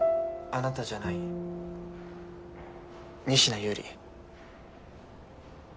「あなた」じゃない仁科悠里